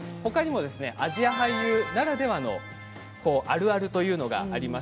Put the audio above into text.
アジア俳優ならではのあるあるというのがあります。